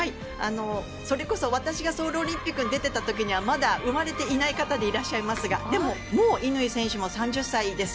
それこそ私がソウルオリンピックに出ていた時にはまだ生まれていない方ですがでも、もう乾選手も３０歳です。